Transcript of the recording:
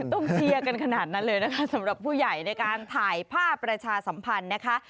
เชียร์กันขนาดนั้นเลยนะคะสำหรับผู้ใหญ่ในการถ่ายภาพประชาสัมพันธ์นะคะ